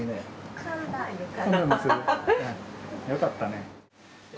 よかったね。